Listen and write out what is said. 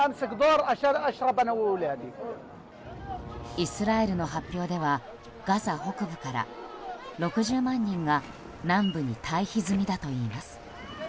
イスラエルの発表ではガザ北部から６０万人が南部に退避済みだといいます。